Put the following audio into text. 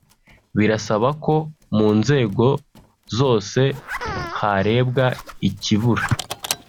Birasaba ko mu nzego zose harebwa ikibura